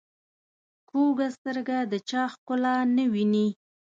کوږه سترګه د چا ښکلا نه ویني